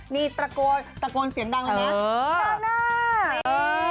นี่ตระโกนเสียงดังอย่างนี้